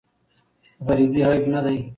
غریبې عیب نه دی.